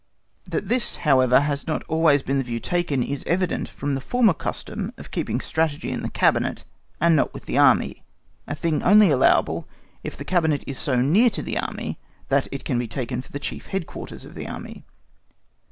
That this, however, has not always been the view taken is evident from the former custom of keeping Strategy in the cabinet and not with the Army, a thing only allowable if the cabinet is so near to the Army that it can be taken for the chief head quarters of the Army.